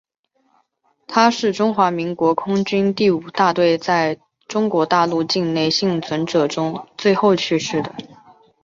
他是中华民国空军第五大队在中国大陆境内幸存者中最后去世的。